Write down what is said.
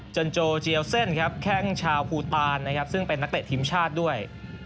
โจเจียวเส้นครับแข้งชาวภูตานนะครับซึ่งเป็นนักเตะทีมชาติด้วย